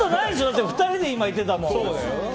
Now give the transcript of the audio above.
今、２人で言ってたもん。